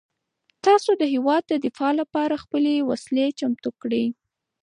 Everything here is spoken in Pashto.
تاسو د هیواد د دفاع لپاره خپلې وسلې چمتو کړئ.